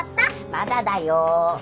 まだだよ